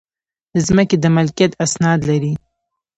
د ځمکې د ملکیت اسناد لرئ؟